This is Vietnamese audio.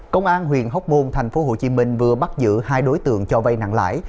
công an huyện hốc môn thành phố hồ chí minh vừa bắt giữ hai đối tượng cho vay nặng lãi